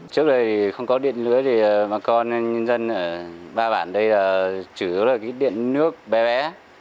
trước đây không có điện lưới thì bà con nhân dân ở ba bản đây là chủ yếu là cái điện nước bé bé